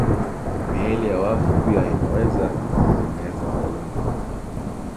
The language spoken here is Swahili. Miili ya wafu pia inaweza kueneza ugonjwa.